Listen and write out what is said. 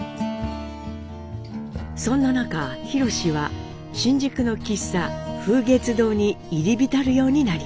そんな中宏は新宿の喫茶「風月堂」に入り浸るようになります。